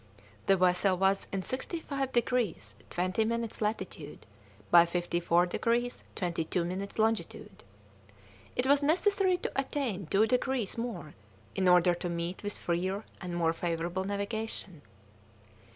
The vessel was in 65 degrees 20 minutes latitude by 54 degrees 22 minutes longitude. It was necessary to attain two degrees more in order to meet with freer and more favourable navigation.